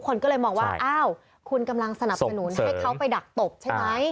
คนก็เลยมองว่าอ้าวคุณกำลังสนับสนุนให้เขาไปดักตบใช่ไหม